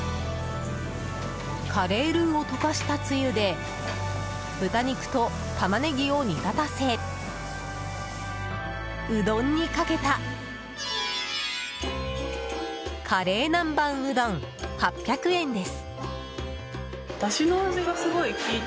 カレールウを溶かしたつゆで豚肉とタマネギを煮立たせうどんにかけたカレー南蛮うどん、８００円です。